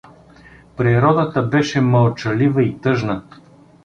Природата беше мълчалива и тъжна.